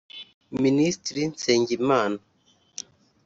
Minisitri Nsengimana